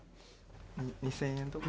２０００円とか。